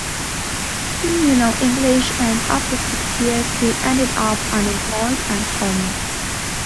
He knew no English and after six years he ended up unemployed and homeless.